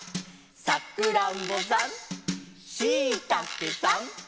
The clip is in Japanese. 「さくらんぼさん」「しいたけさん」